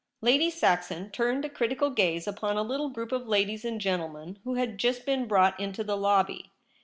Lady Saxon turned a critical gaze upon a little group of ladies and gentlemen who had just been brought into the lobby.